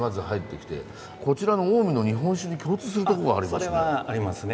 こちらの近江の日本酒に共通するとこがありますね。